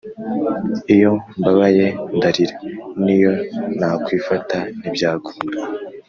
Iyo mbabaye ndarira niyo nakwifata ntibyakunda